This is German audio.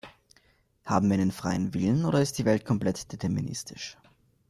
Haben wir einen freien Willen oder ist die Welt komplett deterministisch?